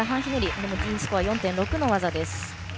これもＤスコア４．６の技です。